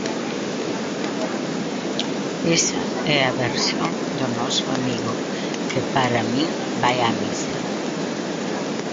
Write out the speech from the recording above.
Esa é a versión do noso amigo, que para min vai á misa.